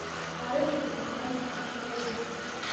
تاریخ انسان عاقلوي.